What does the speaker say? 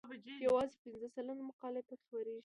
یوازې پنځه سلنه مقالې پکې خپریږي.